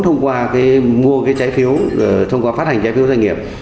thông qua mua cái trái phiếu thông qua phát hành trái phiếu doanh nghiệp